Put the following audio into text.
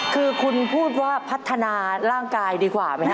คือคุณพูดว่าพัฒนาร่างกายดีกว่าไหมฮ